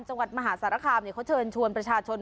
จังหวัดมหาสารคามเขาเชิญชวนประชาชน